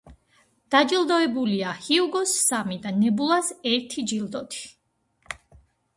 დაჯილდოებულია ჰიუგოს სამი და ნებულას ერთი ჯილდოთი.